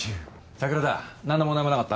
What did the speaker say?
桜田何の問題もなかった？